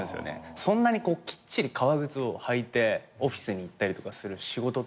そんなにきっちり革靴を履いてオフィスに行ったりとかする仕事の方が。